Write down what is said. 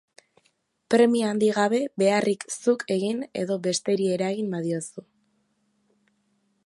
Premia handi gabe beharrik zuk egin edo besteri eragin badiozu.